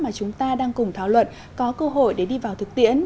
mà chúng ta đang cùng thảo luận có cơ hội để đi vào thực tiễn